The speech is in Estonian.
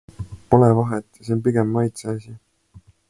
Pole vahet, see on pigem maitseasi.